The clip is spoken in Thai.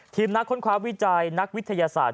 ทีมนักค้นคว้าวิจัยนักวิทยาศาสตร์